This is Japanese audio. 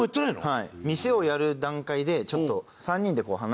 はい。